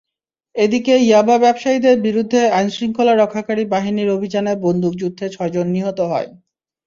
এদিকে ইয়াবা ব্যবসায়ীদের বিরুদ্ধে আইনশৃঙ্খলা রক্ষাকারী বাহিনীর অভিযানে বন্দুকযুদ্ধে ছয়জন নিহত হয়।